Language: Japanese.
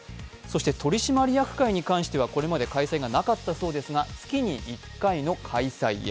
取締役会に関してはこれまで開催がなかったそうですが月に１回の開催へ。